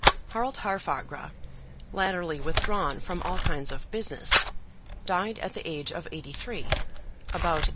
Harald Haarfagr, latterly withdrawn from all kinds of business, died at the age of eighty three about A.